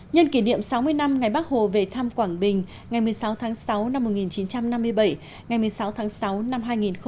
nhân kỷ niệm sáu mươi năm ngày bắc hồ về thăm quảng bình ngày một mươi sáu tháng sáu năm một nghìn chín trăm năm mươi bảy ngày một mươi sáu tháng sáu năm hai nghìn một mươi chín